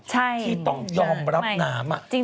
ที่ต้องยอมรับนามน่ะจริงนะครับใช่ไม่จริง